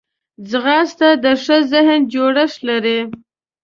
ځغاسته د ښه ذهن جوړښت لري